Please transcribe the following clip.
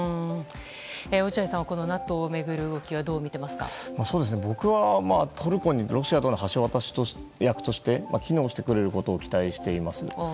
落合さんはＮＡＴＯを巡る動きは僕は、トルコにロシアとの橋渡し役として機能してくれることを期待しています。